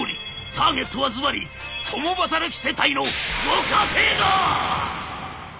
ターゲットはずばり共働き世帯のご家庭だ！」。